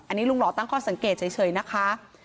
อันนี้ลุงหล่อตั้งข้อสังเกตเฉยนะคะ